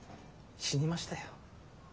死にましたよ。